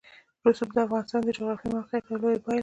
رسوب د افغانستان د جغرافیایي موقیعت یوه لویه پایله ده.